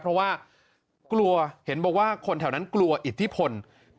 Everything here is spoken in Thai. เพราะว่ากลัวเห็นบอกว่าคนแถวนั้นกลัวอิทธิพล